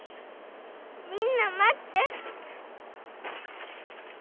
みんな待って。